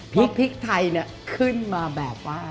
พริกไทยเนี่ยขึ้นมาแบบว่า